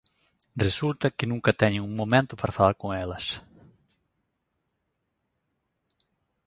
Resulta que nunca teñen un momento para falar con elas.